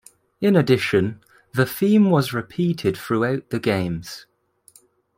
In addition, the theme was repeated throughout the games.